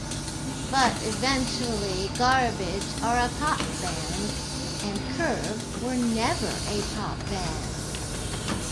But eventually Garbage are a pop band, and Curve were never a pop band.